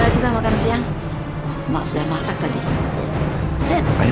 yuk kita makan siang